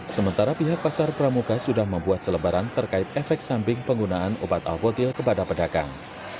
sementara pihak pasar pramuka sudah membuat selebaran terkait efek samping penggunaan obat albotil kepada pedagang